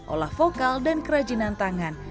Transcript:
olah vokal dan kerajinan tangan